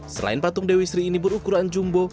selain patung dewi sri ini berukuran jumbo